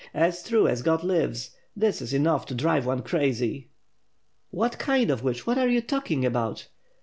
As true as God lives! This is enough to drive one crazy." "What kind of witch?" What are you talking about?"